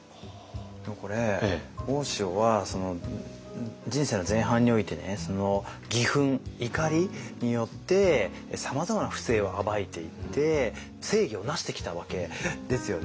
でもこれ大塩は人生の前半において義憤怒りによってさまざまな不正を暴いていって正義をなしてきたわけですよね。